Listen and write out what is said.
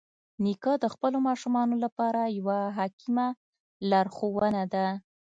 نیکه د خپلو ماشومانو لپاره یوه حکیمه لارښوونه ده.